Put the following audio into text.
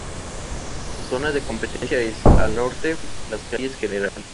Su zona de competencia es: al norte, las calles Gral.